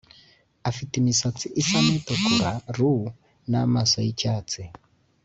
Afite imisatsi isa n’itukura (roux) n’amaso y’icyatsi